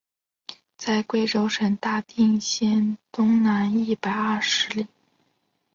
在贵州省大定县东南一百二十里。